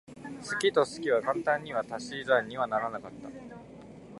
好きと好きは簡単には足し算にはならなかったね。